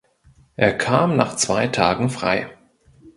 Er kam nach zwei Tagen frei.